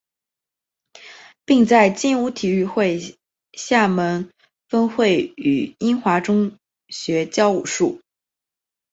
并在精武体育会厦门分会与英华中学教武术。